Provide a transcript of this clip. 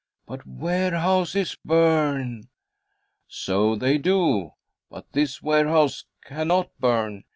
"But warehouses burn." "So they do, but this warehouse cannot burn.